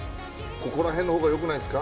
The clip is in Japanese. ここらへんの方がよくないですか